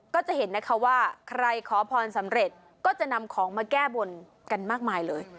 ก็จะเห็นนะคะว่าใครขอพรสำเร็จก็จะนำของมาแก้บนกันมากมายเลย